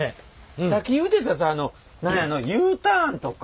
さっき言うてたさあのＵターンとか。